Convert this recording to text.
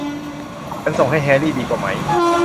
ฉันส่งให้แฮรี่ดีกว่าไหม ?